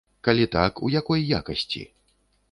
Калі так, у якой якасці?